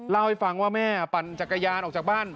เล่าให้ฟังว่าแม่ปั่นจักรยานออกจากบ้าน